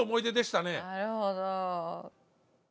なるほど。